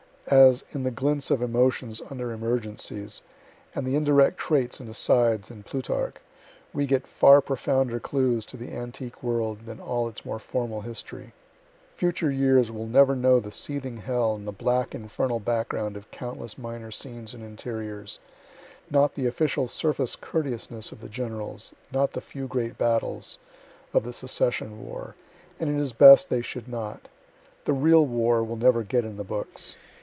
As, in the glints of emotions under emergencies, and the indirect traits and asides in Plutarch, we get far profounder clues to the antique world than all its more formal history.) Future years will never know the seething hell and the black infernal background of countless minor scenes and interiors, (not the official surface courteousness of the Generals, not the few great battles) of the Secession war; and it is best they should not the real war will never get in the books.